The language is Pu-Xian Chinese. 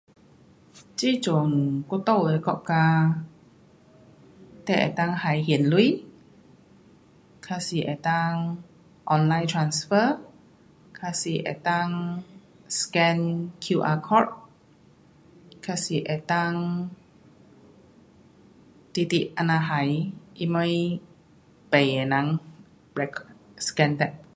这阵我住的国家，得能够还现钱，还是能够 online transfer 还是能够 scan QR code 还是能够直直这样还什么卖的人 scan 的。